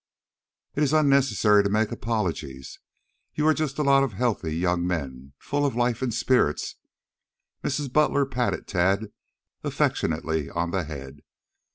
"It is unnecessary to make apologies. You are just a lot of healthy young men, full of life and spirits." Mrs. Butler patted Tad affectionately on the head.